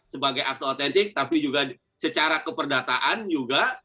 sebagai akte otentik tapi juga secara keperdataan juga